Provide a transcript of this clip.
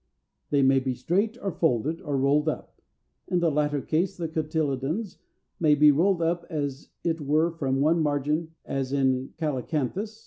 They may be straight, or folded, or rolled up. In the latter case the cotyledons may be rolled up as it were from one margin, as in Calycanthus (Fig.